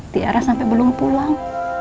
tiara sampai belum pulang